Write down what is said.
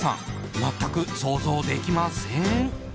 全く想像できません。